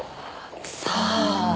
さあ。